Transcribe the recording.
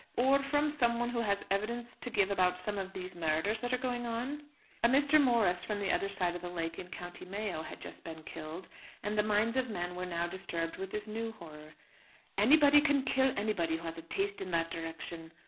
"Or from someone who has evidence to give about some of these murders that are going on?" A Mr. Morris from the other side of the lake, in County Mayo, had just been killed, and the minds of men were now disturbed with this new horror. "Anybody can kill anybody who has a taste in that direction.